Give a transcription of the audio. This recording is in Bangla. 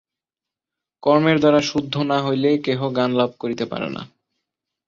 কর্মের দ্বারা শুদ্ধ না হইলে কেহ জ্ঞানলাভ করিতে পারে না।